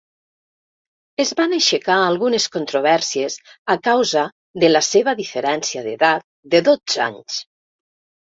Es van aixecar algunes controvèrsies a causa de la seva diferència d'edat de dotze anys.